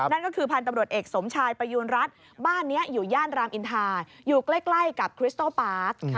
นั่นก็คือพันธุ์ตำรวจเอกสมชายประยูณรัฐบ้านนี้อยู่ย่านรามอินทาอยู่ใกล้กับคริสโต้ปาร์ค